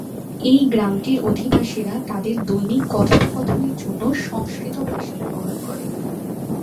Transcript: এই গ্রামটির অধিবাসীরা তাদের দৈনিক কথোপকথনের জন্য সংস্কৃত ভাষা ব্যবহার করে।